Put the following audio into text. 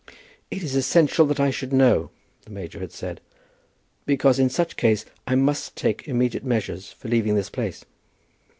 "It is essential that I should know," the major had said, "because in such case I must take immediate measures for leaving this place."